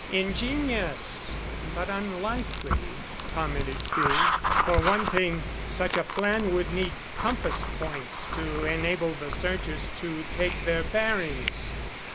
"Ingenious, but unlikely," commented Crewe. "For one thing, such a plan would need compass points to enable the searchers to take their bearings."